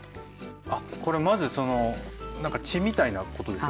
これまずその何か血みたいなことですよね。